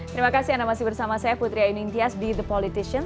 terima kasih anak masih bersama saya putri ayu nintiyas di the politician